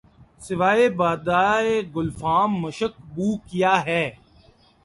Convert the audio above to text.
سوائے بادۂ گلفام مشک بو کیا ہے